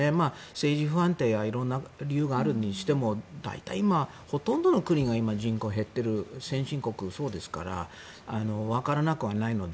政治が不安定や色んな理由があるにしても今、ほとんどの国が今、人口が減っている先進国、そうですからわからなくはないので。